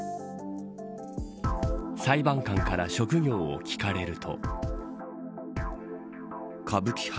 裁判官から職業を聞かれると。